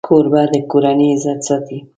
کوربه د کورنۍ عزت ساتي.